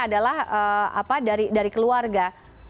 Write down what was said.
adalah dari keluarga